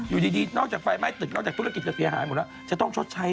อยู่ดีนอกจากไฟไม้ตึกนอกจากธุรกิจ